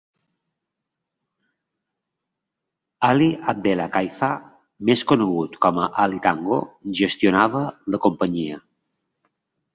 Ali Abdella Kaifa, més conegut com a Ali Tango, gestionava la companyia.